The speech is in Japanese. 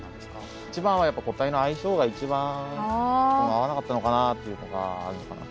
一番は個体の相性が一番合わなかったのかなっていうのがあるのかなと。